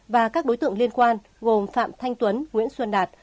và các đối tượng liên quan gồm phạm thanh tuấn nguyễn xuân đạt